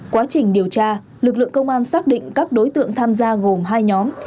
quá trình điều tra lực lượng công an xác định các đối tượng tham gia gồm hai nhóm